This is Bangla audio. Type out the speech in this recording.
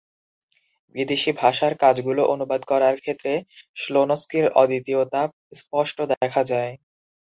বিদেশি ভাষার কাজগুলো অনুবাদ করার ক্ষেত্রে শ্লোনস্কির অদ্বিতীয়তা স্পষ্ট দেখা যায়।